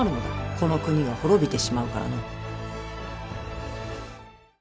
この国が滅びてしまうからの。